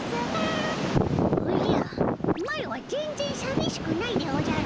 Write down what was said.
おじゃマロはぜんぜんさびしくないでおじゃる。